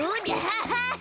ハハハ。